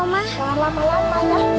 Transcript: jangan lama lama ya oma